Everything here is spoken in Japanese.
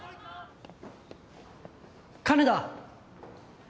・金田！